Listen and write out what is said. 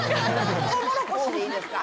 トウモロコシでいいですか？